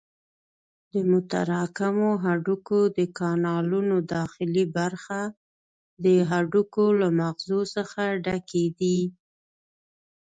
د متراکمو هډوکو د کانالونو داخلي برخه د هډوکو له مغزو څخه ډکې دي.